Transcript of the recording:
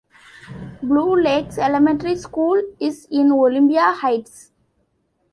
Blue Lakes Elementary School is in Olympia Heights.